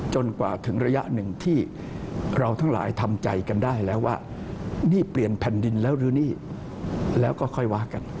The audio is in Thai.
กว่าถึงระยะหนึ่งที่เราทั้งหลายทำใจกันได้แล้วว่านี่เปลี่ยนแผ่นดินแล้วหรือนี่แล้วก็ค่อยว่ากัน